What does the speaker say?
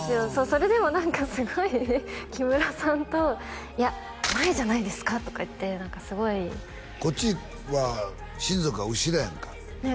それでも何かすごい木村さんと「いや前じゃないですか？」とか言ってすごいこっちは親族は後ろやんかね